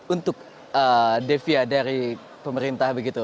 untuk devia dari pemerintah